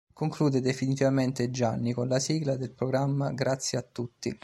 Conclude definitivamente Gianni con la sigla del programma, Grazie a tutti.